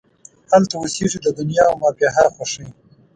هلته اوسیږې د دنیا او مافیها خوښۍ